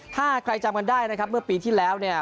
ถ้าใครจำกันได้นะครับเมื่อปีที่แล้วเนี่ย